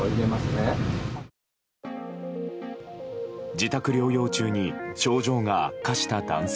自宅療養中に症状が悪化した男性。